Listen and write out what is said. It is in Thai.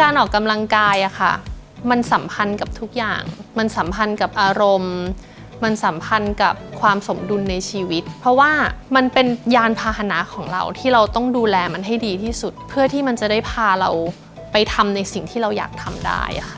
การออกกำลังกายอะค่ะมันสัมพันธ์กับทุกอย่างมันสัมพันธ์กับอารมณ์มันสัมพันธ์กับความสมดุลในชีวิตเพราะว่ามันเป็นยานพาหนะของเราที่เราต้องดูแลมันให้ดีที่สุดเพื่อที่มันจะได้พาเราไปทำในสิ่งที่เราอยากทำได้ค่ะ